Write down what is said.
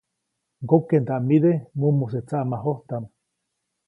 Ŋgokeʼndaʼmide mumuse tsaʼmajojtaʼm.